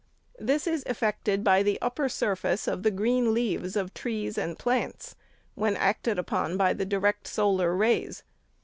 This is effected by the upper surface of the green leaves of trees and plants, when acted upon by the direct solar rays.